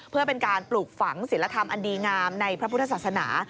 เพื่อเป็นการปลูกฝังศิลธรรมอันดีงามในพระพุทธศาสนา